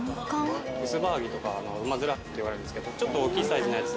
ウスバハギとかウマヅラっていわれるんですけどちょっと大きいサイズのやつ。